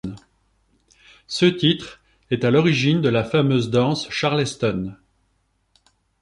Ce titre est à l'origine de la fameuse danse Charleston.